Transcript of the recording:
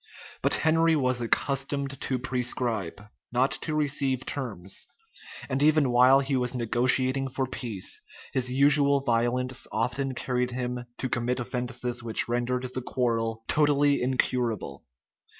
But Henry was accustomed to prescribe, not to receive terms; and even while he was negotiating for peace, his usual violence often carried him to commit offences which rendered the quarrel totally incurable.